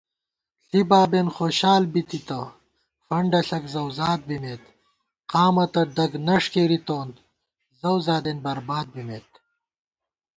ݪِی بابېن خوشال بی تِتہ، فنڈہ ݪَک زؤوذات بِمېت * قامہ تہ دَگ نَݭ کېرِتون، زؤزادېن برباد بِمېت